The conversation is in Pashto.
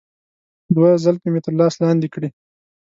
دوی زلفې مې تر سر لاندې کړي.